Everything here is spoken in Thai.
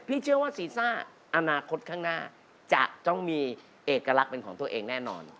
เชื่อว่าซีซ่าอนาคตข้างหน้าจะต้องมีเอกลักษณ์เป็นของตัวเองแน่นอน